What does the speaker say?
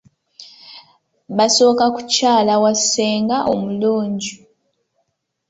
Basooka kukyala wa ssenga omulungi.